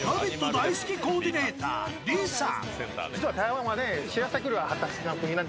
大好きコーディネーター、李さん。